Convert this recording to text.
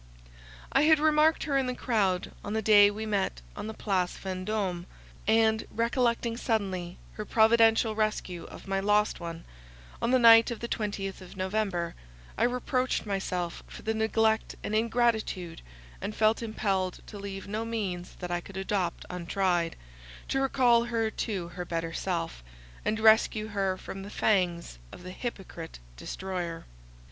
I had remarked her in the crowd, on the day we met on the Place Vendome; and, recollecting suddenly her providential rescue of my lost one, on the night of the twentieth of November, I reproached myself for my neglect and ingratitude, and felt impelled to leave no means that I could adopt untried, to recall her to her better self, and rescue her from the fangs of the hypocrite destroyer.